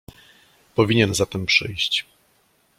"Powinien zatem przyjść."